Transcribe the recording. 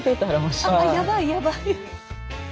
やばいやばい。